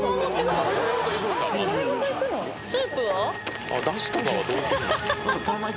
「スープは？」